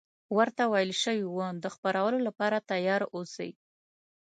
ورته ویل شوي وو د خپرولو لپاره تیار اوسي.